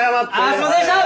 すいませんでした！